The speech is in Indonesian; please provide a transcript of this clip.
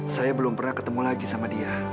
saya belum pernah ketemu lagi sama dia